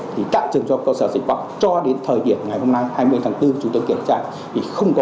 thì tạo trường cho cơ sở dịch vọng cho đến thời điểm ngày hôm nay hai mươi tháng bốn